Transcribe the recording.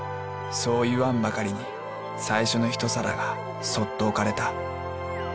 そう言わんばかりに最初の一皿がそっと置かれた。